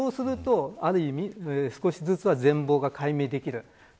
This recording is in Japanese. そうすると、ある意味少しは全貌が解明できる。